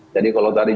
jadi kalau tadi